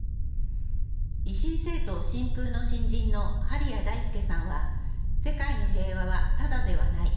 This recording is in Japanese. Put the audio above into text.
維新政党・新風の新人の針谷大輔さんは世界の平和は、ただではない。